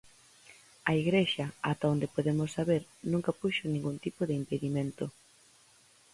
A Igrexa, ata onde podemos saber, nunca puxo ningún tipo de impedimento.